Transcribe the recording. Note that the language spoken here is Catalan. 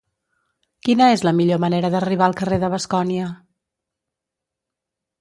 Quina és la millor manera d'arribar al carrer de Bascònia?